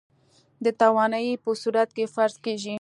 د توانايي په صورت کې فرض کېږي.